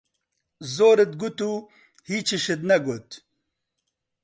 زۆرت گوت و هیچیشت نەگوت!